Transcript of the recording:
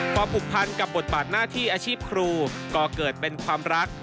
พอผูกพันกับบทบาทหน้าที่อาชีพครูก็เกิดเป็นความรัก